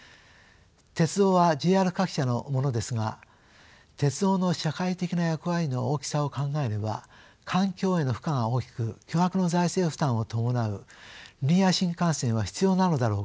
鉄道はＪＲ各社のものですが鉄道の社会的な役割の大きさを考えれば環境への負荷が大きく巨額の財政負担を伴うリニア新幹線は必要なのだろうか。